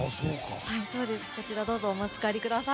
こちら、どうぞお持ち帰りください。